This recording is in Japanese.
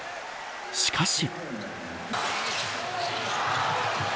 しかし。